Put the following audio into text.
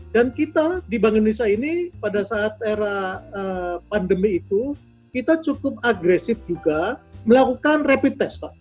dan kita di bank indonesia ini pada saat era pandemi itu kita cukup agresif juga melakukan rapid test pak